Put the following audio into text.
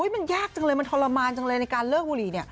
มันยากจังเลยมันทรมานจังเลยในการเลิกบุหรี่